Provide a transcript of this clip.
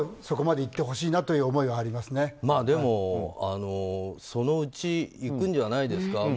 そこまでいってほしいなというでも、そのうちいくんじゃないんですか。